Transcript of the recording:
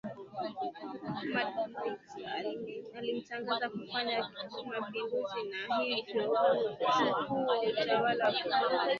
madagascar limetangaza kufanya mapinduzi na hivyo kuchukuwa utawala wakati ambapo